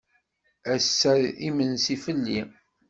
Ass-a imensi fell-i.